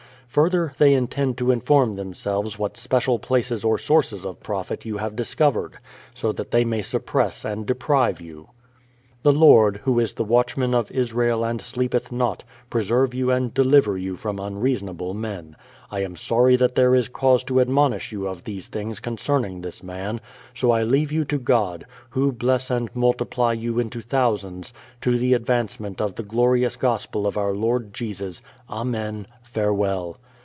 Further, they intend to inform themselves what special places or sources of profit you have dis covered, so that they may suppress and deprive you. ... The Lord, who is the watchman of Israel and sleepeth not, pre serve you and deliver you from unreasonable men. I am sorry that there is cause to admonish you of these things concerning this man; so I leave you to God, Who bless and multiply you into thousands, to the advancement of the glorious gospel of Our Lord Jesus. Amen. Farewell.